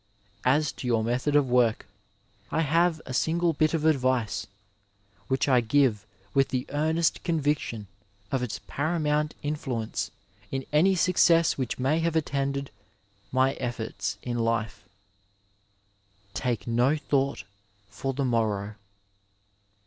As to your method of work, I have a single bit of advice, which I give with the earnest conviction of its paramount influence in any success which may have attended my efforts in hie— Take no though for the morrow.